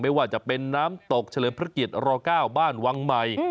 ไม่ว่าจะเป็นน้ำตกเฉลิมพระเกียร๙บ้านวังใหม่